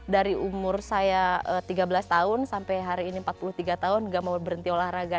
dari umur saya tiga belas tahun sampai hari ini empat puluh tiga tahun gak mau berhenti olahraga